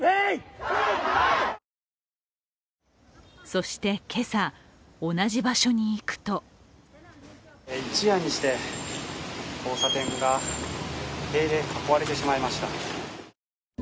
そして今朝、同じ場所に行くと一夜にして、交差点が塀で囲われてしまいました。